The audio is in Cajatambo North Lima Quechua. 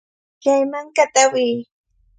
Chay mankata awiy.